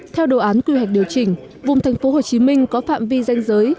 theo đồ án quy hoạch điều chỉnh vùng tp hcm có phạm vi danh giới